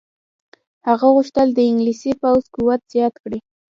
هغه غوښتل د انګلیسي پوځ قوت زیات کړي.